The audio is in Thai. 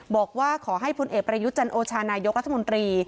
บอกว่าขอให้พลเอกประยุทธ์จันโอชานายกรัฐมนตรี